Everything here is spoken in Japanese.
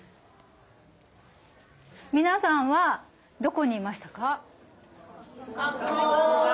みなさんはどこにいましたか？